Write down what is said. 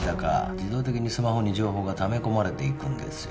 自動的にスマホに情報がため込まれていくんですよ